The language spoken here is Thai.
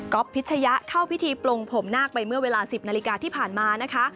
พิชยะเข้าพิธีปลงผมนาคไปเมื่อเวลา๑๐นาฬิกาที่ผ่านมานะคะ